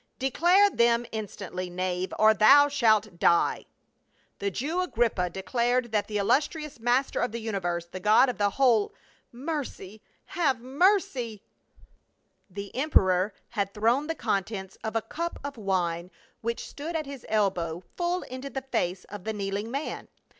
" Declare them instantly, knave, or thou shalt die !" "The Jew Agrippa declared that the illustrious master of the universe, the god of the whole — mercy ! have mercy !" THE BECLUSE OF CAPRAE. 6S The emperor had thrown the contents of a cup of wine, which stood at his elbow, full into the face of the kneeling man.